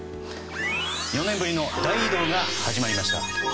４年ぶりの大移動が始まりました。